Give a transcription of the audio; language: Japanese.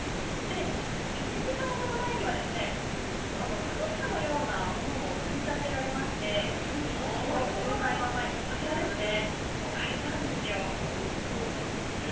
１時間ほど前には風車のようなものも組み立てられまして白い球体の前に置かれたんですよ。